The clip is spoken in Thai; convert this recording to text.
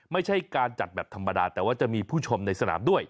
ไม่ใช่การจัดแบบธรรมดาแต่ว่าจะมีผู้ชมในสนามด้วย